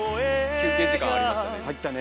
休憩時間ありましたね